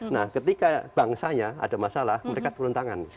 nah ketika bangsanya ada masalah mereka turun tangan